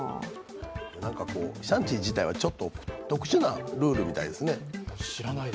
シャンチー自体はちょっと特殊なルールみたいですね。